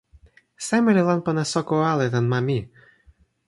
seme li lanpan e soko ale tan ma mi?